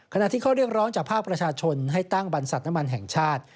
ที่ข้อเรียกร้องจากภาคประชาชนให้ตั้งบรรษัทน้ำมันแห่งชาติ